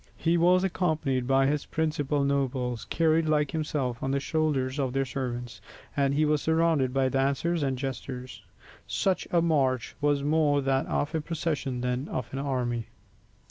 He was accompanied by his principal nobles, carried like himself on the shoulders of their servants, and he was surrounded by dancers and jesters. Such a march was more that of a procession than of an army.